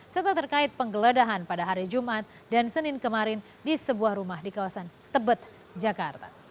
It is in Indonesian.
serta terkait penggeledahan pada hari jumat dan senin kemarin di sebuah rumah di kawasan tebet jakarta